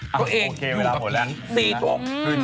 โดยเองอยู่กับ๔ตัว